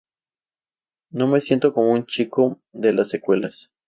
No me siento como un chico de las secuelas.